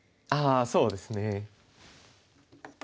ああそうですね。